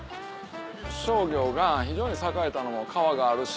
商業が非常に栄えたのも川があるし。